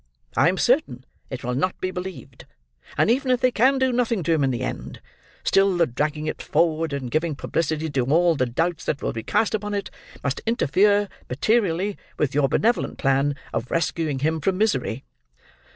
I am certain it will not be believed; and even if they can do nothing to him in the end, still the dragging it forward, and giving publicity to all the doubts that will be cast upon it, must interfere, materially, with your benevolent plan of rescuing him from misery."